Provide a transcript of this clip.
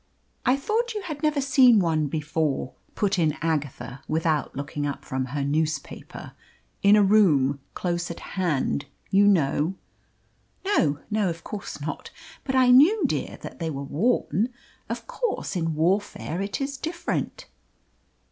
"I thought you had never seen one before," put in Agatha, without looking up from her newspaper. "In a room close at hand, you know." "No no, of course not; but I knew, dear, that they were worn. Of course, in warfare it is different."